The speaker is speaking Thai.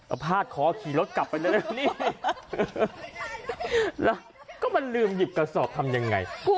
เอาพาดคอขี่รถกลับไปเร็วนี่แล้วก็มันลืมหยิบกระสอบทำยังไง